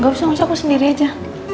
gak usah ngurus aku sendiri aja